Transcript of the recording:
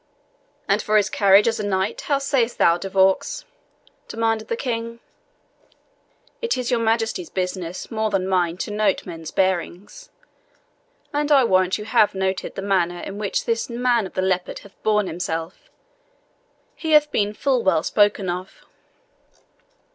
"And for his carriage as a knight, how sayest thou, De Vaux?" demanded the King. "It is your Majesty's business more than mine to note men's bearings; and I warrant you have noted the manner in which this man of the Leopard hath borne himself. He hath been full well spoken of."